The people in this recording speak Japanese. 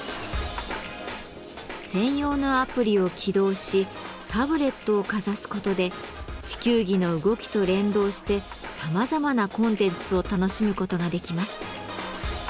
専用のアプリを起動しタブレットをかざすことで地球儀の動きと連動してさまざまなコンテンツを楽しむことができます。